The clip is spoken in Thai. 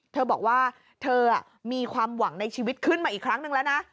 เธอบอกว่าเธอมีความหวังในชีวิตขึ้นมาอีกครั้งนึงแล้วนะ